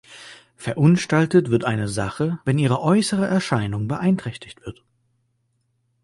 Verunstaltet wird eine Sache, "wenn ihre äußere Erscheinung beeinträchtigt wird".